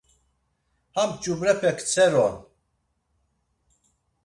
Ham ç̆ubrepe ktser’on.